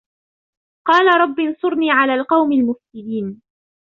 قال رب انصرني على القوم المفسدين